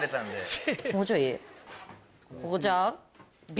ここちゃう？